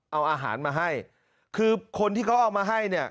เอาอาหารมาให้คือคนที่เขาเอามาให้เนี่ย